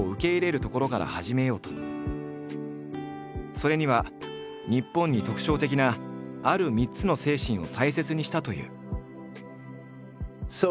それには日本に特徴的なある３つの精神を大切にしたという。